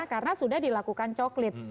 karena sudah dilakukan coklit